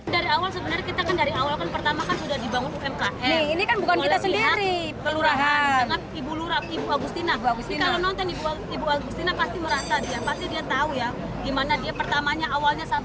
berhenti semua dari ln juga nggak ada pemutangnya